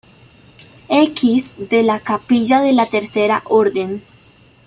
X De la capilla de la Tercera Orden.